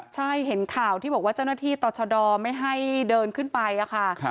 ใช่เห็นข่าวที่บอกว่าเจ้าหน้าที่ต่อชะดอไม่ให้เดินขึ้นไปค่ะ